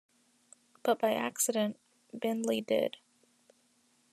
But by accident, Bindley did.